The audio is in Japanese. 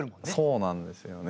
そうなんですよね。